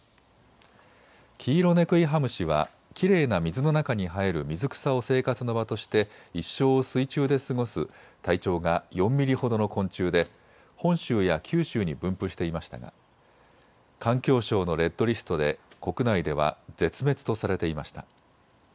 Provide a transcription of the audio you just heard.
キイロネクイハムシはきれいな水の中に生える水草を生活の場として一生を水中で過ごす体長が４ミリほどの昆虫で本州や九州に分布していましたが環境省のレッドリストで国内では絶滅とされていました。